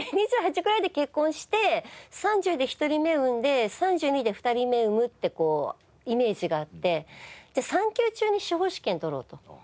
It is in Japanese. で２８ぐらいで結婚して３０で１人目を産んで３２で２人目を産むってこうイメージがあってじゃあ産休中に司法試験取ろうと。